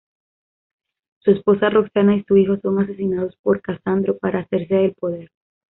Su esposa Roxana y su hijo son asesinados por Casandro para hacerse del poder.